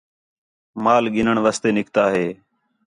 مال گِنّݨ واسطے نِکتا ہِے